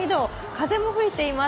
風も吹いています。